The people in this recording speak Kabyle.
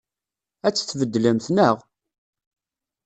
Ad tt-tbeddlemt, naɣ?